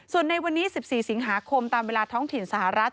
ส่วนในวันนี้๑๔สิงหาคมตามเวลาท้องถิ่นสหรัฐ